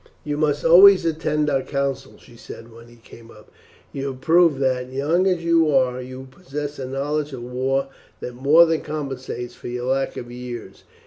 "You must always attend our councils," she said when he came up. "You have proved that, young as you are, you possess a knowledge of war that more than compensates for your lack of years.